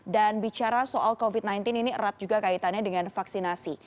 dan bicara soal covid sembilan belas ini erat juga kaitannya dengan vaksinasi